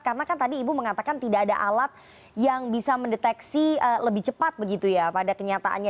karena kan tadi ibu mengatakan tidak ada alat yang bisa mendeteksi lebih cepat begitu ya pada kenyataannya